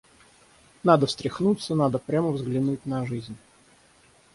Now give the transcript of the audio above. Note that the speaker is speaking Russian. Надо встряхнуться, надо прямо взглянуть на жизнь.